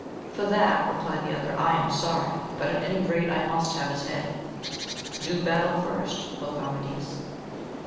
For that, replied the other, I am sorry; but at any rate I must have his head. Do battle first, quoth Amadis.